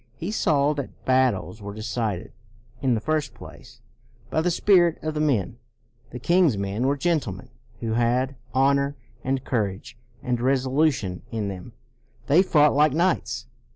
He saw that battles were decided, in the first place, by the spirit of the men. The king's men were gentlemen, who had " honor and courage and resolution in them"; they fought like knights.